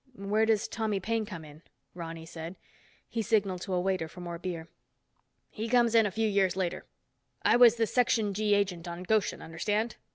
"Where does Tommy Paine come in?" Ronny said. He signaled to a waiter for more beer. "He comes in a few years later. I was the Section G agent on Goshen, understand?